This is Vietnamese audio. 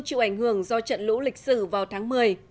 chịu ảnh hưởng do trận lũ lịch sử vào tháng một mươi